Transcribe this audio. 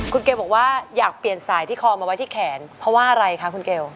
คุณเกลบอกว่าอยากเปลี่ยนสายที่คอมาไว้ที่แขนเพราะว่าอะไรคะคุณเกล